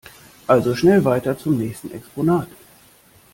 Also schnell weiter zum nächsten Exponat!